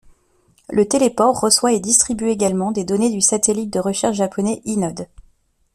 Le téléport reçoit et distribue également des données du satellite de recherche japonais Hinode.